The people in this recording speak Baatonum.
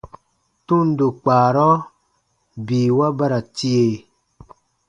Tundo kpaarɔ biiwa ba ra tie.